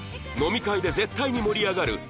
飲み会で絶対に盛り上がる！！